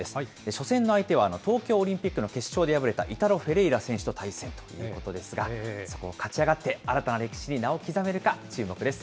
初戦の相手は東京オリンピックの決勝で敗れたイタロ・フェレイラ選手と対戦ということですが、そこを勝ち上がって新たな歴史に名を刻めるか、注目です。